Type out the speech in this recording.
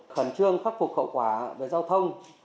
khẩn trương khắc phục khẩu quả về giao thông